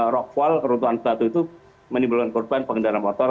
rockfall keruntuhan batu itu menimbulkan korban pengendara motor